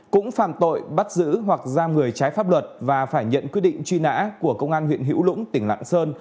cũng phạm tội bắt giữ hoặc giam người trái pháp luật và phải nhận quyết định truy nã của công an huyện hữu lũng tỉnh lạng sơn